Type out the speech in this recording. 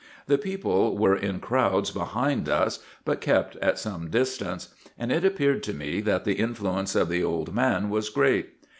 The people were in crowds behind us, but kept at some distance ; and it appeared to me that the influence of the old man was great.